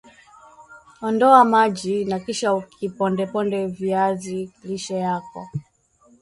Ondoa maji na kisha ukipondeponde viazi lishe vyako